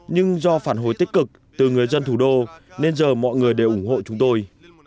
nhưng do phản hồi tích cực từ người dân thủ đô nên giờ mọi người đều ủng hộ chúng tôi